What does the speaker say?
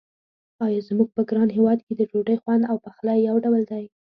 آیا زموږ په ګران هېواد کې د ډوډۍ خوند او پخلی یو ډول دی.